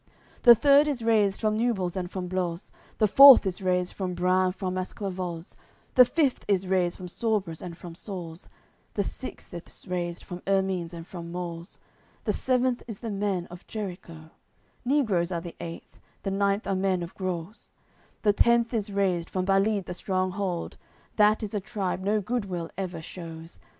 The third is raised from Nubles and from Blos; The fourth is raised from Bruns and Esclavoz; The fifth is raised from Sorbres and from Sorz; The sixth is raised from Ermines and from Mors; The seventh is the men of Jericho; Negroes are the eighth; the ninth are men of Gros; The tenth is raised from Balide the stronghold, That is a tribe no goodwill ever shews.